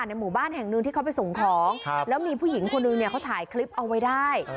หมู่บ้านแห่งหนึ่งที่เขาไปส่งของแล้วมีผู้หญิงคนหนึ่งเนี่ยเขาถ่ายคลิปเอาไว้ได้